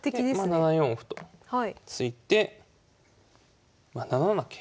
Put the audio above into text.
まあ７四歩と突いて７七桂。